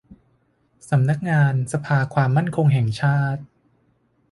สำนักงานสภาความมั่นคงแห่งชาติ